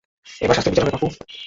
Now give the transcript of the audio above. এবার শান্তির বিচার হবে পাপ্পু।